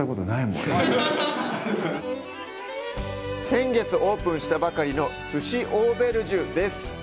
先月オープンしたばかりの“鮨オーベルジュ”です。